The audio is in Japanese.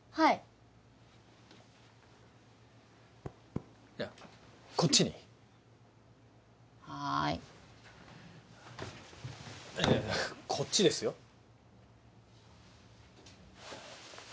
いやこっちですよ。